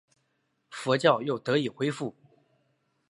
佛教又得以恢复。